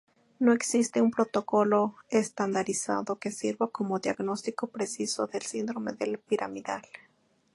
No existe un protocolo estandarizado que sirva como diagnóstico preciso del síndrome del piramidal.